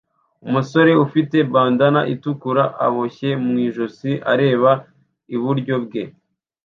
Umusore ufite bandanna itukura aboshye mu ijosi areba iburyo bwe